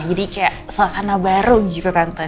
jadi kayak suasana baru gitu tante